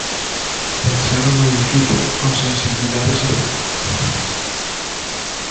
Pensaron o edificio con sensibilidade social.